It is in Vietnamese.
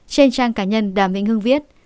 trên trang cá nhân đàm vĩnh hưng viết